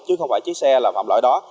chứ không phải chiếc xe là phạm lỗi đó